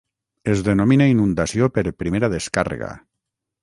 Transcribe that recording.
Es denomina inundació per primera descàrrega.